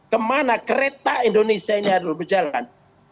kemana kereta indonesia ini harus berjalan